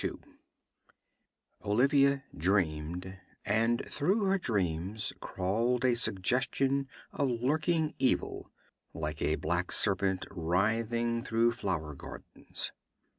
2 Olivia dreamed, and through her dreams crawled a suggestion of lurking evil, like a black serpent writhing through flower gardens.